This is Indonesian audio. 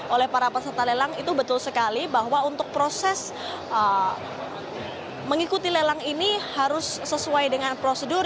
oleh para peserta lelang itu betul sekali bahwa untuk proses mengikuti lelang ini harus sesuai dengan prosedur